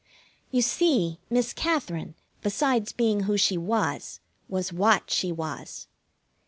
You see, Miss Katherine, besides being who she was, was what she was.